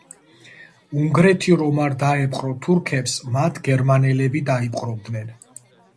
უნგრეთი რომ არ დაეპყრო თურქებს მათ გერმანელები დაიპყრობდნენ.